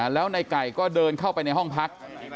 แล้วในไก่ก็เดินเข้าไปในห้องพัก